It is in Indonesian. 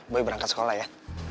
boy berangkat sekolah ya